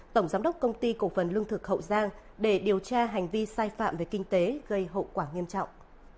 tổng giám đốc công ty cổ phần lương thực hậu giang để điều tra hành vi sai phạm về kinh tế gây hậu quả nghiêm trọng